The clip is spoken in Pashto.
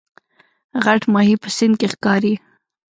غټ ماهی په سیند کې ښکاري